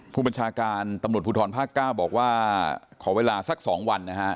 ผู้บัญชาการตำรวจภูทรภาค๙บอกว่าขอเวลาสัก๒วันนะฮะ